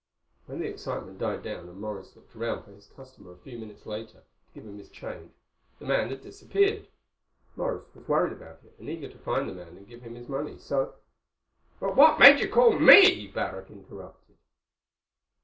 When the excitement died down and Morris looked around for his customer a few minutes later, to give him his change, the man had disappeared. Morris was worried about it, and eager to find the man and give him his money. So—" "But what made you call me?" Barrack interrupted.